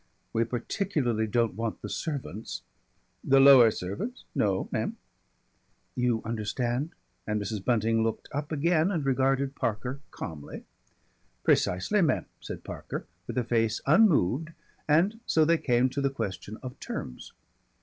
"We particularly don't want the servants " "The lower servants No, Mem." "You understand?" and Mrs. Bunting looked up again and regarded Parker calmly. "Precisely, Mem!" said Parker, with a face unmoved, and so they came to the question of terms.